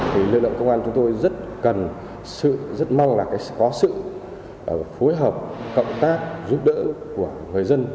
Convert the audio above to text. thì lưu lượng công an chúng tôi rất mong là có sự phối hợp cộng tác giúp đỡ của người dân